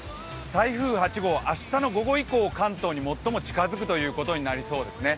台風８号明日の午後以降、関東に一番近づくことになります。